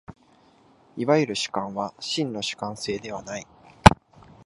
いわゆる主観は真の主観性ではない。